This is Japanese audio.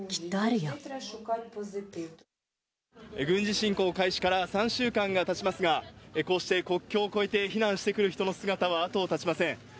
軍事侵攻開始から３週間が経ちますがこうして国境を越えて避難してくる人の姿は後を絶ちません。